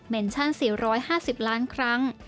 ชั่น๔๕๐ล้านครั้ง